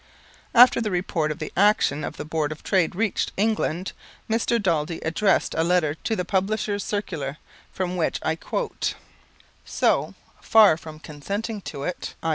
After the Report of the action of the Board of Trade reached England, Mr. Daldy addressed a letter to "The Publishers' Circular," from which I quote: "So far from consenting to it (i.